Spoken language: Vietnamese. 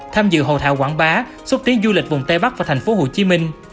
tham dự hồ thạo quảng bá xuất tiến du lịch vùng tây bắc và thành phố hồ chí minh